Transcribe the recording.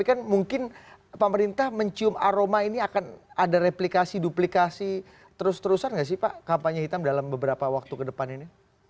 jadi pemerintah mencium aroma ini akan ada replikasi duplikasi terus terusan tidak sih pak kampanye hitam dalam beberapa waktu kedepan ini